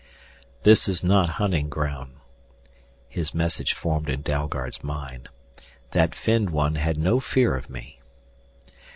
"This is not hunting ground." His message formed in Dalgard's mind. "That finned one had no fear of me."